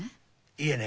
いえね